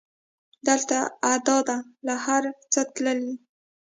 دلته ادا ده له هر څه تللې